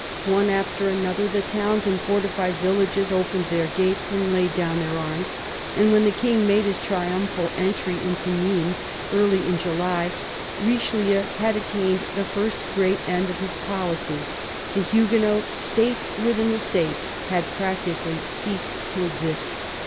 One after another the towns and fortified villages opened their gates and laid down their arms, and when the King made his triumphal entry into Nimes, early in July, Richelieu had attained the first great end of his policy; the Huguenot "state within the State" had practically ceased to exist.